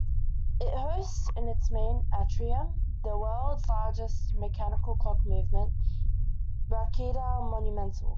It hosts in its main atrium the world's largest mechanical clock movement: Raketa Monumental.